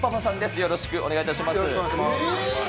よろしくお願いします。